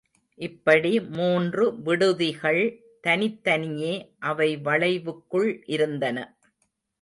இப்படி மூன்று விடுதிகள்.தனித்தனியே அவை வளைவுக்குள் இருந்தன.